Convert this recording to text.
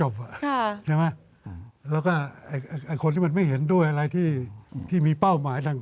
บ้านเราเหมือนจะไม่ได้นิ่งจริง